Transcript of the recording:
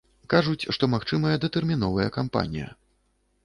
Кажуць, што магчымая датэрміновая кампанія.